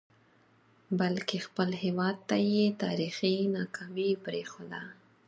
بلکې خپل هیواد ته یې تاریخي ناکامي پرېښوده.